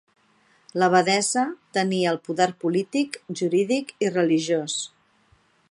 L'abadessa tenia el poder polític, jurídic i religiós.